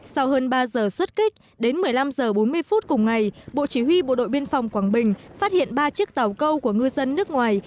sau hơn ba giờ xuất kích đến một mươi năm h bốn mươi phút cùng ngày bộ chỉ huy bộ đội biên phòng quảng bình phát hiện ba chiếc tàu câu của ngư dân nước ngoài